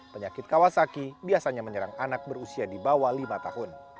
penyakit kawasaki biasanya menyerang anak berusia di bawah lima tahun